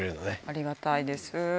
ありがたいです。